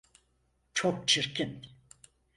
Çok çirkin.